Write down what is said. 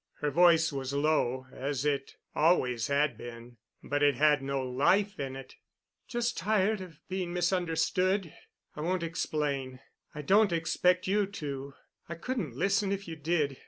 Her voice was low, as it always had been, but it had no life in it. "Just tired of being misunderstood. I won't explain, and I don't expect you to. I couldn't listen if you did.